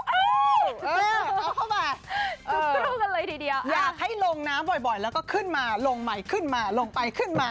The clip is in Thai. เออเข้ามาอยากให้ลงน้ำบ่อยแล้วก็ขึ้นมาลงใหม่ขึ้นมาลงไปขึ้นมา